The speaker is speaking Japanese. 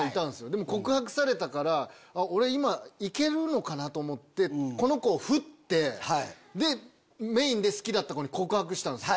でも告白されたから俺今イケるのかなと思ってこの子をフッてメインで好きだった子に告白したんですよ。